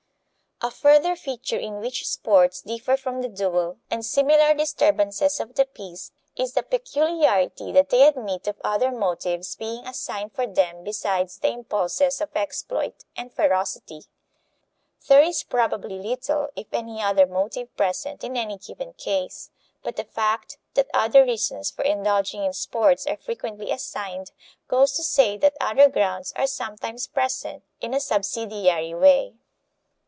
A further feature in which sports differ from the duel and similar disturbances of the peace is the peculiarity that they admit of other motives being assigned for them besides the impulses of exploit and ferocity. There is probably little if any other motive present in any given case, but the fact that other reasons for indulging in sports are frequently assigned goes to say that other grounds are sometimes present in a subsidiary way.